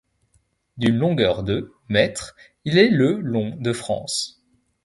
D'une longueur de mètres, il est le long de France.